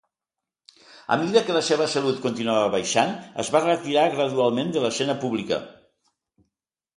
A mida que la seva salut continuava baixant, es va retirar gradualment de l"escena pública.